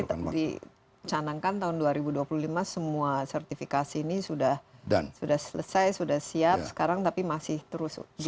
karena nanti dicanangkan tahun dua ribu dua puluh lima semua sertifikasi ini sudah selesai sudah siap sekarang tapi masih terus di